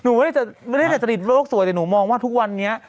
หนูไม่ได้ดัดจริตโลกสวยแต่หนูมองว่าทุกวันนี้